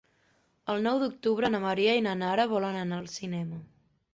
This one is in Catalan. El nou d'octubre na Maria i na Nara volen anar al cinema.